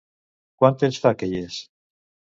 Quant temps fa que hi és?